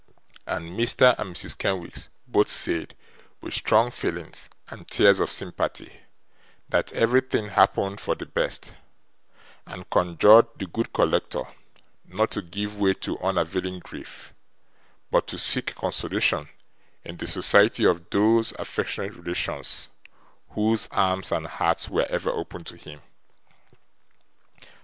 And Mr. and Mrs. Kenwigs both said, with strong feelings and tears of sympathy, that everything happened for the best; and conjured the good collector not to give way to unavailing grief, but to seek consolation in the society of those affectionate relations whose arms and hearts were ever open to him.